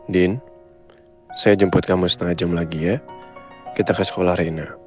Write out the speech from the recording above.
din saya jemput kamu setengah jam lagi ya kita ke sekolah rena